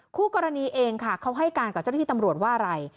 คู่กรณีเองค่ะเขาให้การกับเจ้าหน้าที่ตำรวจว่าอะไร